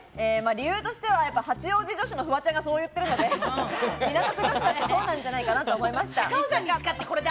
理由としては八王子女子のフワちゃんがそう言ってるので、港区女子だと、そうなんじゃないかなと思いました。